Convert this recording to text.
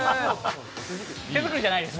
手作りじゃないです。